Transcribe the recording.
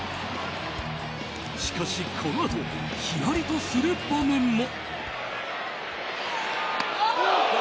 しかし、このあとヒヤリとする場面も。